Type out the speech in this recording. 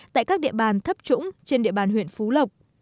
tại các địa bàn thấp trũng trên địa bàn huyện phú lộc